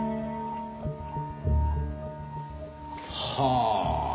はあ。